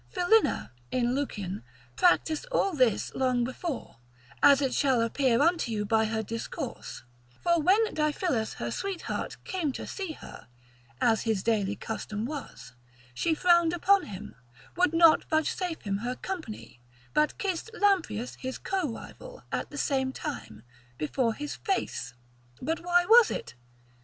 Philinna, in Lucian, practised all this long before, as it shall appear unto you by her discourse; for when Diphilus her sweetheart came to see her (as his daily custom was) she frowned upon him, would not vouchsafe him her company, but kissed Lamprius his co rival, at the same time before his face: but why was it?